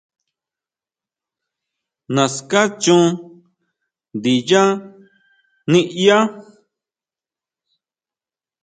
Naská chon ndinyá niʼyá.